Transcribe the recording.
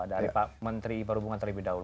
dari pak menteri perhubungan terlebih dahulu